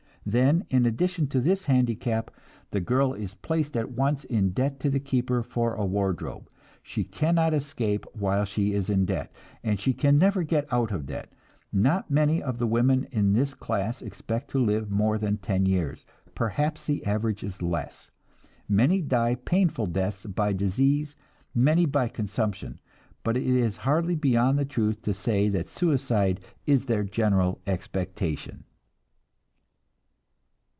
Then in addition to this handicap, the girl is placed at once in debt to the keeper for a wardrobe.... She cannot escape while she is in debt, and she can never get out of debt. Not many of the women in this class expect to live more than ten years perhaps the average is less. Many die painful deaths by disease, many by consumption, but it is hardly beyond the truth to say that suicide is their general expectation."